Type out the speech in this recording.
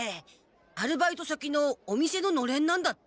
アルバイト先のお店ののれんなんだって。